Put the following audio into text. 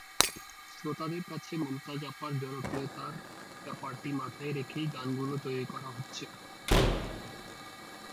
শ্রোতাদের কাছে মমতাজ আপার জনপ্রিয়তার ব্যাপারটি মাথায় রেখেই গানগুলো তৈরি করা হচ্ছে।